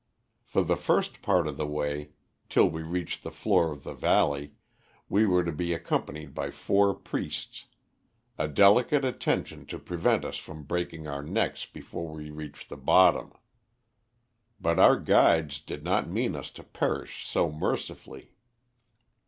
For the first part of the way, till we reached the floor of the valley, we were to be accompanied by four priests, a delicate attention to prevent us from breaking our necks before we reached the bottom. But our guides did not mean us to perish so mercifully.